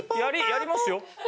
やりますよ。